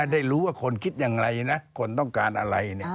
ได้รู้ว่าคนคิดอย่างไรนะคนต้องการอะไร